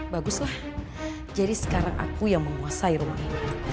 baguslah jadi sekarang aku yang menguasai rumah ini